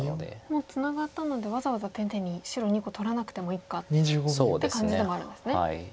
もうツナがったのでわざわざ丁寧に白２個取らなくてもいいかって感じでもあるんですね。